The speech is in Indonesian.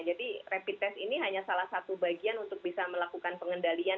jadi rapid test ini hanya salah satu bagian untuk bisa melakukan pengendalian